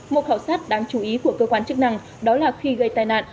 một khảo sát đáng chú ý của cơ quan chức năng đó là khi gây tai nạn